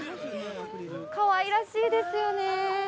かわいらしいですよね。